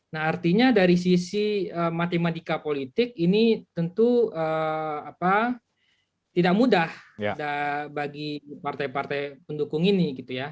nah artinya dari sisi matematika politik ini tentu tidak mudah bagi partai partai pendukung ini